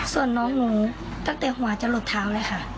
ส่วนน้องหนูตั้งแต่หัวจะหลดเท้าเลยค่ะ